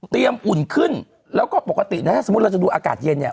อุ่นขึ้นแล้วก็ปกตินะถ้าสมมุติเราจะดูอากาศเย็นเนี่ย